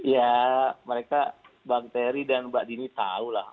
ya mereka bang terry dan mbak dini tahu lah